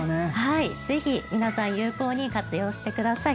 ぜひ、皆さん有効に活用してください。